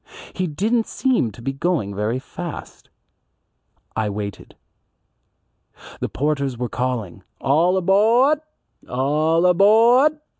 He didn't seem going very fast. I waited. The porters were calling, "All abawd! All abawd."